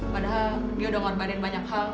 padahal dia udah ngorbanin banyak hal